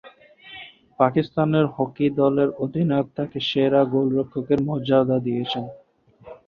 পাকিস্তানের হকি দলের অধিনায়ক তাকে সেরা গোলরক্ষকের মর্যাদা দিয়েছিলেন।